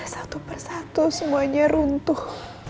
satu persatu semuanya runtuh